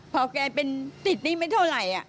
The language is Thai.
พอแกเป็นติดหนี้ไม่เท่าไหร่